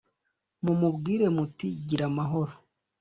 Mumubwire muti gira amahoro